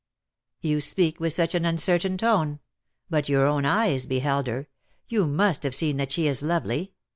"You speak with such an uncertain tone. But your own eyes beheld her. You must have seen that she is lovely.